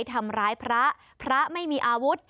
ทำร้ายพระพระไม่มีอาวุธ